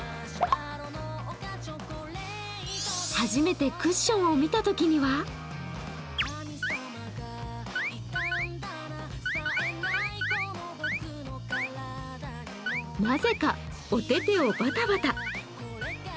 初めてクッションを見たときにはなぜかおててをバタバタ。